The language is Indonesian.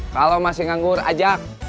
kalau masih nganggur ajak